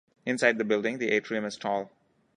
Inside the building, the atrium is tall.